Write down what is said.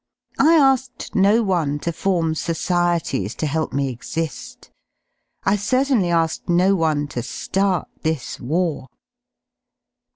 I asked no one to form societies to help me \ exi^. I certainly asked no one to ^art this war.